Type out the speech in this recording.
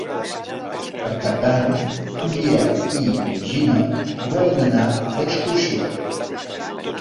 Per Cap d'Any en Biel i na Gina volen anar d'excursió.